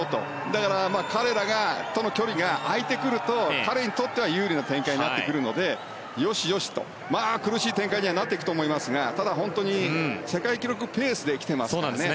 だから、彼らとの距離が開いてくると、彼にとっては有利な展開になってくるのでよしよしと。まあ苦しい展開にはなってくると思いますがただ、本当に世界記録ペースで来ていますからね。